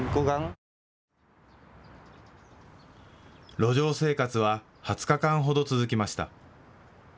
路上生活は２０日間ほど続きました。